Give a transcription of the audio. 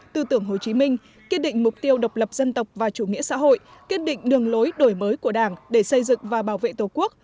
tư tưởng hồ chí minh kiên định mục tiêu độc lập dân tộc và chủ nghĩa xã hội kiên định đường lối đổi mới của đảng để xây dựng và bảo vệ tổ quốc